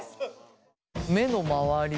目の周り